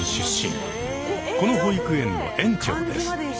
この保育園の園長です。